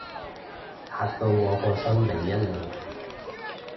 嚇到我個心離一離